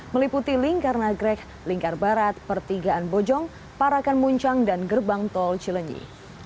meliputi lingkar nagrek lingkar barat pertigaan bojong parakan muncang dan gerbang tol cilenyi